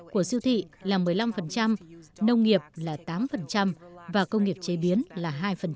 của siêu thị là một mươi năm nông nghiệp là tám và công nghiệp chế biến là hai